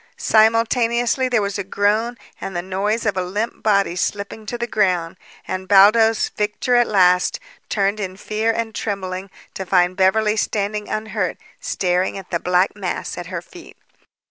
Simultaneously, there was a groan and the noise of a limp body slipping to the ground, and, Baldos, victor at last, turned in fear and trembling to find Beverly standing unhurt staring at the black mass at her feet.